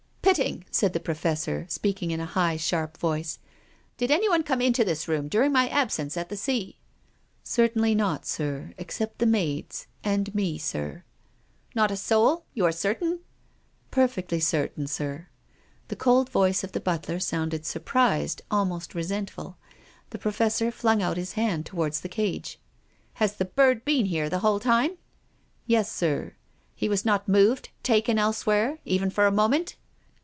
PROFESSOR GUILDEA. 32 1 Pitting," said the Professor, speaking in a high, sharp voice, " did anyone come into this room during my absence at the sea ?"" Certainly not, sir, except the maids — and me. If sir. " Not a soul ? You are certain ?"" Perfectly certain, sir." The cold voice of the butler sounded surprised, almost resentful. The Professor flung out his hand towards the cage. " Has the bird been here the whole time? " "Yes, sir." " He was not moved, taken elsewhere, even for a moment